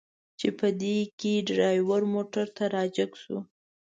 چې په دې کې ډریور موټر ته را جګ شو.